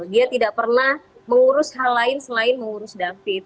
dia tidak pernah mengurus hal lain selain mengurus david